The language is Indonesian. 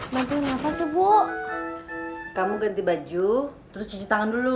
nanti ngapas ibu kamu ganti baju terus cuci tangan dulu